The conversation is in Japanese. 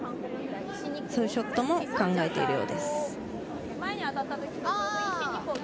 そういうショットも考えているようです。